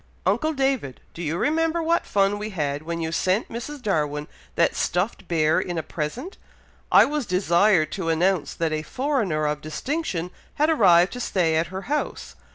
"Uncle David! Do you remember what fun we had, when you sent Mrs. Darwin that stuffed bear in a present! I was desired to announce that a foreigner of distinction had arrived to stay at her house.